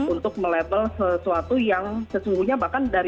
untuk melabel sesuatu yang sesungguhnya bahkan dari